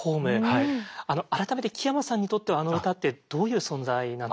改めて木山さんにとってはあの歌ってどういう存在なんですか？